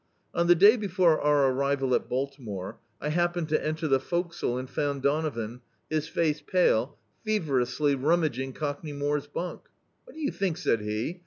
On the day before our arrival at Baltimore, I happened to enter the forecastle and found Donovan, his face pale, feverously nimmaging Cockney More's bunk. "What do you think?" said he.